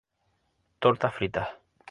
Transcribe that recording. Tortas fritas.